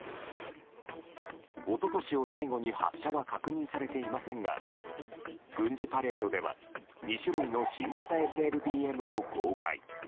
一昨年を最後に発射は確認されていませんが軍事パレードでは２種類の新型ＳＬＢＭを公開。